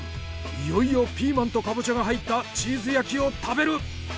いよいよピーマンとカボチャが入ったチーズ焼きを食べる！